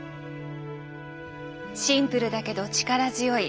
シンプルだけど力強い。